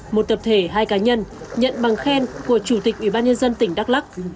một tập thể hai cá nhân nhận bằng khen của chủ tịch ubnd tỉnh đắk lắc